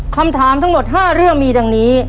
คำถามทั้งหมด๕เรื่องมีดังนี้